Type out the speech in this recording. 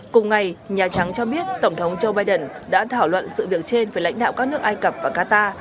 cùng ngày nhà trắng cho biết tổng thống joe biden đã thảo luận sự việc trên với lãnh đạo các nước ai cập và qatar